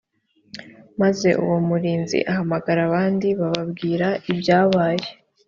maze uwo murinzi ahamagara abandi bababwira ibyabaye